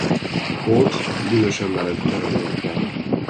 Walt dühösen mered nevelőapjára.